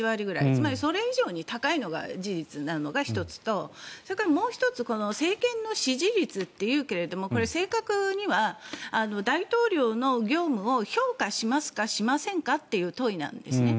つまり、それ以上に高いのが事実なのとそれからもう１つ政権の支持率というけどもこれ、正確には大統領の業務を評価しますかしませんかという問いなんですね。